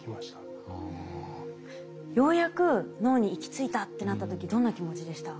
ようやく脳に行き着いたってなった時どんな気持ちでした？